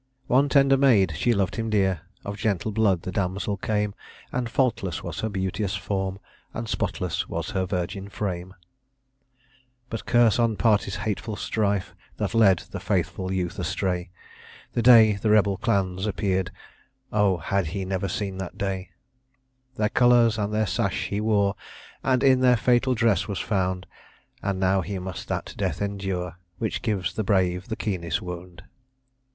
One tender maid, she loved him dear, Of gentle blood the damsel came; And faultless was her beauteous form, And spotless was her virgin fame. But curse on parties' hateful strife, That led the faithful youth astray! The day the rebel clans appear'd (Oh! had he never seen that day!) Their colours and their sash he wore, And in their fatal dress was found; And now he must that death endure Which gives the brave the keenest wound.